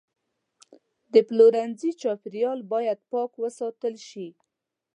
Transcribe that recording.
د پلورنځي چاپیریال باید پاک وساتل شي.